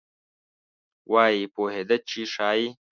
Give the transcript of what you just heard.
وایي پوهېده چې ښایي.